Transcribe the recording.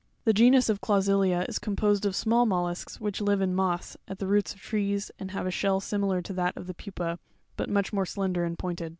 17. The genus of Ciausiiia is composed of small mollusks which live in moss, at the roots of trees, and have a shell similar to that of the Pupa, but much more slender and pointed (fig.